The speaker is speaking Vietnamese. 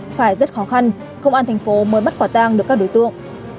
phải rất khó khăn công an tp mới bắt quả tang được các đối tượng